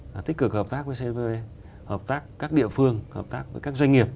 là tích cực hợp tác với cpv hợp tác các địa phương hợp tác với các doanh nghiệp